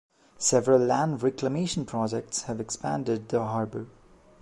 Several land reclamation projects have expanded the harbour.